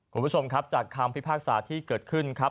คุณผู้ชมครับจากคำพิพากษาที่เกิดขึ้นครับ